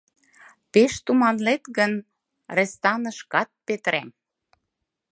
Пеш туманлет гын, рестанышкат петырем!..